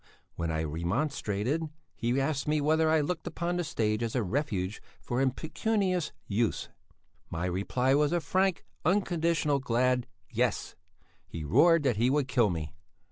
When I remonstrated, he asked me whether I looked upon the stage as a refuge for impecunious youths. My reply was a frank, unconditional glad Yes. He roared that he would kill me.